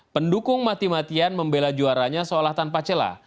pendukung mati matian membela juaranya seolah tanpa celah